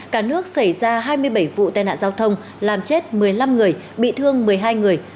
cả nước xảy ra hai mươi bảy vụ tai nạn giao thông làm chết một mươi năm người bị thương một mươi hai người